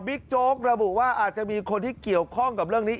โจ๊กระบุว่าอาจจะมีคนที่เกี่ยวข้องกับเรื่องนี้